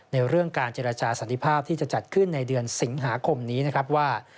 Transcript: ในเรื่องการเจรจาสันติภาพที่จะจัดขึ้นในเดือนสิงหาคมนี้นะครับว่า